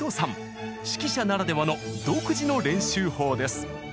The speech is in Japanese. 指揮者ならではの独自の練習法です。